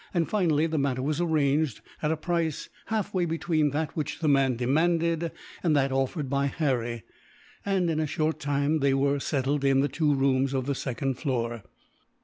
Finally the matter was arranged, at a price halfway between that which the man demanded, and that offered by Harry and, in a short time, they were settled in the two rooms of the second floor.